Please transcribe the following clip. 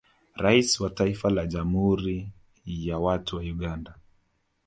Rais wa Taifa la jamhuri ya watu wa Uganda